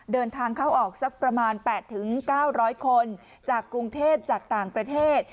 เดินทางเข้าออกซักประมาณแปดถึงแก้าหร้อยคนจากกรุงเทพจากต่างประเทศ